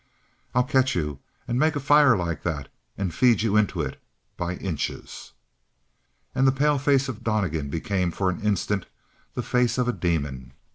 "I'll catch you and make a fire like that and feed you into it by inches!" And the pale face of Donnegan became for an instant the face of a demon.